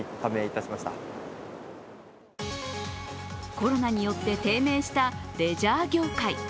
コロナによって低迷したレジャー業界。